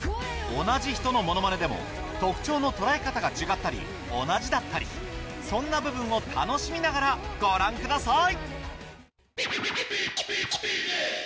同じ人のものまねでも特徴の捉え方が違ったり同じだったりそんな部分を楽しみながらご覧ください